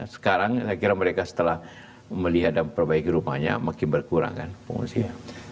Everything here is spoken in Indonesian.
sekarang saya kira mereka setelah melihat dan perbaiki rumahnya makin berkurang kan pengungsinya